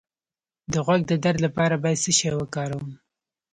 د غوږ د درد لپاره باید څه شی وکاروم؟